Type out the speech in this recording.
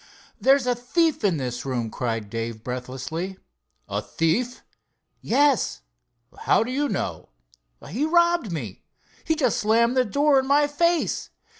"There's a thief in that room," cried Dave breathlessly. "A thief?" "Yes." "How do you know?" "He robbed me. He just slammed the door in my face.